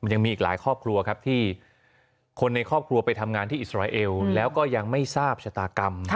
ยังมีอีกหลายครอบครัวครับที่คนในครอบครัวไปทำงานที่อิสราเอลแล้วก็ยังไม่ทราบชะตากรรม